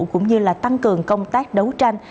cũng như tăng cường công tác đấu tranh